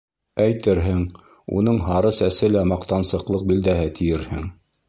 Әйтерһең, уның һары сәсе лә маҡтансыҡлыҡ билдәһе тиерһең...